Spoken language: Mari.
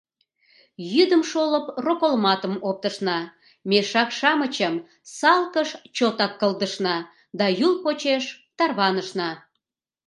Йӱдым шолып роколматым оптышна, мешак-шамычым салкыш чотак кылдышна да Юл почеш тарванышна.